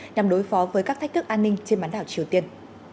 nhằm đối phó với các thách thức an ninh trên bán đảo triều tiên